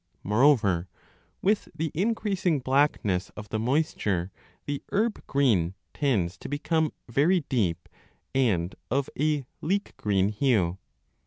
Moreover, with the increasing blackness of the moisture, the herb green tends to become very deep and of a leek green hue.